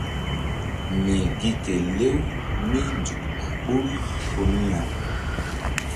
Mi gi ke lew mínzuk a ɓoruri ko mi ya.